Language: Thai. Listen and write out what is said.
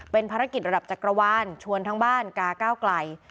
เป็นภารกิจระดับจักรวาลชวนทั้งบ้านกาก้าวไกล